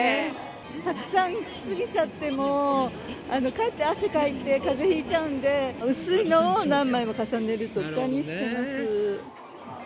たくさん着過ぎちゃっても、かえって汗かいてかぜひいちゃうんで、薄いのを何枚も重ねるとかにしています。